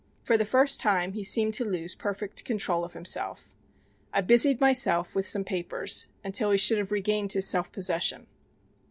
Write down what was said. For the first time he seemed to lose perfect control of himself. I busied myself with some papers until he should have regained his self possession.